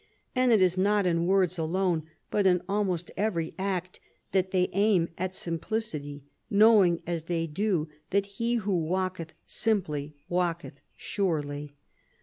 And it is not in words alone, but in almost every act that they aim at simplicity, knowing as they do that 'he who walketh simply, walketh surely.'